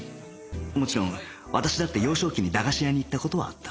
もちろん私だって幼少期に駄菓子屋に行った事はあった